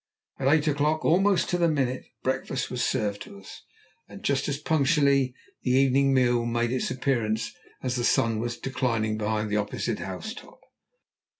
At eight o'clock almost to the minute, breakfast was served to us, and, just as punctually, the evening meal made its appearance as the sun was declining behind the opposite house top.